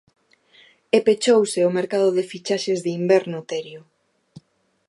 E pechouse o mercado de fichaxes de inverno, Terio.